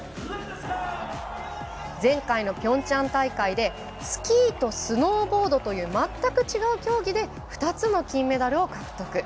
前回のピョンチャン大会でスキーとスノーボードという全く違う競技で２つの金メダルを獲得。